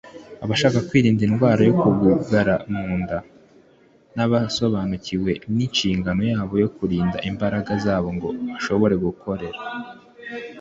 abashaka kwirinda indwara yo kugugara mu nda (dyspepsia), n'abasobanukiwe n'inshingano yabo yo kurinda imbaraga zabo ngo bashobore gukorera